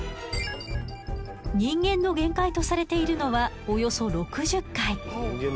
人間の限界とされているのはおよそ６０回。